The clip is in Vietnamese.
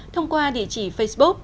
thông qua địa chỉ facebook